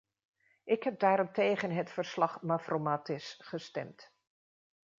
Ik heb daarom tegen het verslag-Mavrommatis gestemd.